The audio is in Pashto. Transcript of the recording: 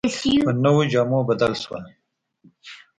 په نویو جامو بدل شول.